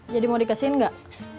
jadi mau dikesiin gak